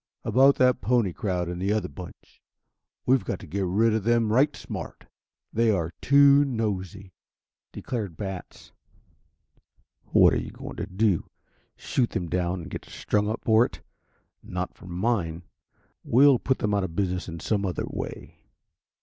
"About that Pony crowd, and the other bunch. We've got to get rid of them and right smart. They are too nosey," declared Batts. "What are we going to do, shoot them down and get strung up for it? Not for mine. We'll put them out of business in some other way.